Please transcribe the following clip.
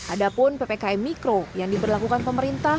ada pun ppkm mikro yang diberlakukan pemerintah